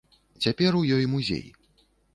Цяпер у ёй музей.